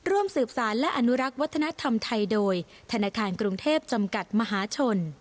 ร่วมสืบสารและอนุรักษ์วัฒนธรรมไทยโดยธนาคารกรุงเทพจำกัดมหาชน